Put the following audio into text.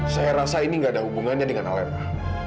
saya rasa ini nggak ada hubungannya dengan alena